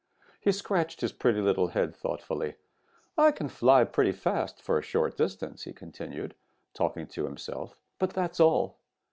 He scratched his pretty little head thoughtfully. 'I can fly pretty fast for a short distance,' he continued, talking to himself, 'but that is all.